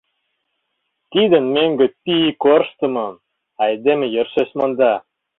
Тидын мӧҥгӧ пӱй корштымым айдеме йӧршеш монда.